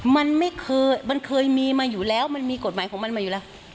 มันไม่เคยมันเคยมีมาอยู่แล้วมันมีกฎหมายของมันมาอยู่แล้ว